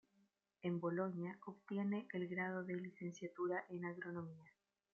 En Boloña obtiene el grado de licenciatura en Agronomía.